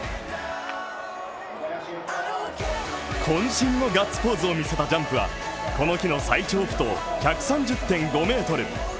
こん身のガッツポーズを見せたジャンプはこの日の最長不倒、１３０．５ｍ。